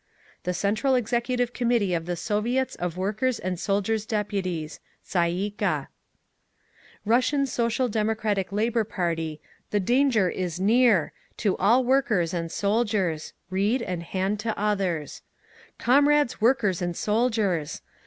The Central Executive Committee of the Soviets of Workers' and Soldiers' Deputies (Tsay ee kah) Russian Social Democratic Labour Party THE DANGER IS NEAR! To All Workers and Soldiers (Read and Hand to Others) _Comrades Workers and Soldiers!